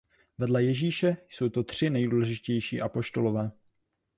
Vedle Ježíše jsou to tři nejdůležitější apoštolové.